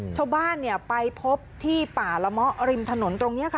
ชาวบ้านไปพบที่ป่าละเมาะริมถนนตรงนี้ค่ะ